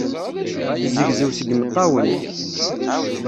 Tezzegzew seg yimeṭṭawen.